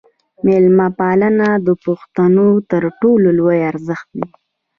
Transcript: میلمه پالنه د پښتنو تر ټولو لوی ارزښت دی.